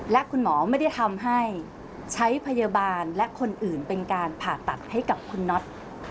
และคุณหมอไม่ได้ทำให้ใช้พยาบาลและคนอื่นเป็นการผ่าตัดให้กับคุณน็อต